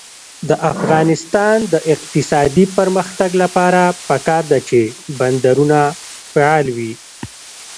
د افغانستان د اقتصادي پرمختګ لپاره پکار ده چې بندرونه فعال وي.